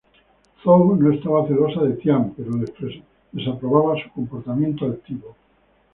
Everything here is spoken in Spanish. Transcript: Zhou no estaba celosa de Tian pero desaprobaba su comportamiento altivo.